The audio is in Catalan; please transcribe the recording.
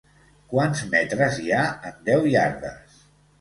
Quants metres hi ha en deu iardes?